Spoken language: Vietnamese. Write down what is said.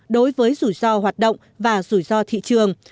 đối với rủi ro hoạt động và rủi ro thị trường